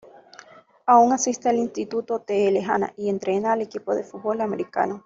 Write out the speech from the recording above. Aún asiste al Instituto T. L. Hanna y entrena al equipo de fútbol americano.